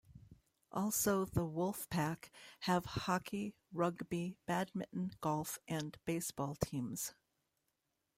Also the WolfPack have hockey, rugby, badminton, golf and baseball teams.